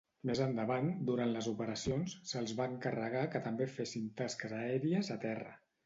Més endavant, durant les operacions, se'ls va encarregar que també fessin tasques aèries a terra.